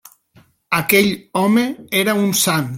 Aquell home era un sant!